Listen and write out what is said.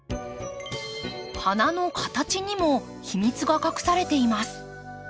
花の形にも秘密が隠されています。